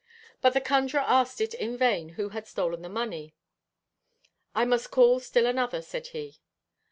But the conjuror asked it in vain who had the stolen money. 'I must call still another,' said he.